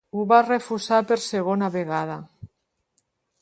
Ho va refusar per segona vegada.